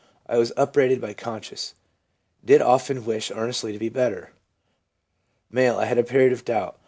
I was upbraided by conscience ; did often wish earnestly to be better/ M. ' I had a period of doubt.